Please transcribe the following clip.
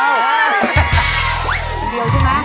คนเดียวใช่ไหม